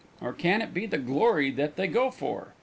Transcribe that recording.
Or can it be the glory that they go for?